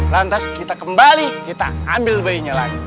lantas kita kembali kita ambil bayinya lagi